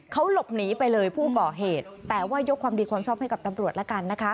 เขาหลบหนีไปเลยผู้ก่อเหตุแต่ว่ายกความดีความชอบให้กับตำรวจแล้วกันนะคะ